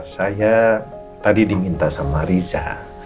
saya tadi diminta sama riza